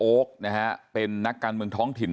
นะฮะเป็นนักการเมืองท้องถิ่น